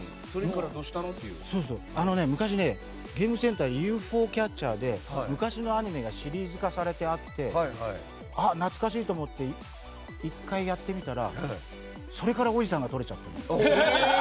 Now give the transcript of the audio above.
昔、ゲームセンターのＵＦＯキャッチャーで昔のアニメがシリーズ化されてて懐かしいと思って１回、やってみたらそれからおじさんが取れちゃって。